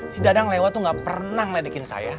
si dadang lewat tuh gak pernah ngeledekin saya